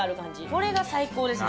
これが最高ですね。